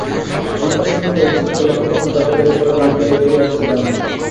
অনেকটা সময় নিয়ে ইচ্ছেমতো লাফালাফি-দাপাদাপি করে ক্লান্ত হয়ে ফিরে এসেছে ডাঙায়।